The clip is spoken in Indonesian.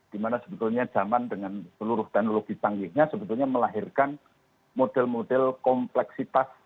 dimana sebetulnya zaman dengan seluruh teknologi canggihnya sebetulnya melahirkan model model kompleksitas